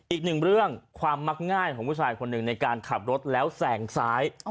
อีกหนึ่งเรื่องความมักง่ายของผู้ชายคนหนึ่งในการขับรถแล้วแสงซ้าย